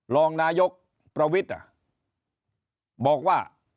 รองนายกประวิทย์บอกว่า